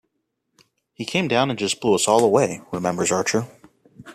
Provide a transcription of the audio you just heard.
"He came down and just blew us all away," remembers Archer.